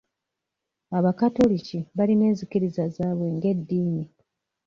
Abakatoliki balina enzikiriza zaabwe ng'eddiini.